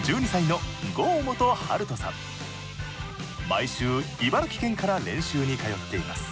毎週茨城県から練習に通っています。